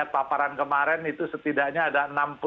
paparan kemarin itu setidaknya ada